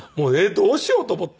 どうしようと思って。